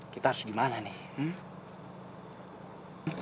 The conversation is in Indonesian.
kita harus dimana nih